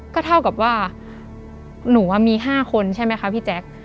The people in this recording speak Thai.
ก็เท่ากับว่าหนูมี๕คนใช่ไหมคะพี่แจ๊ค